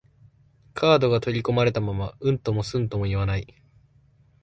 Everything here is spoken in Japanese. カードが取り込まれたまま、うんともすんとも言わない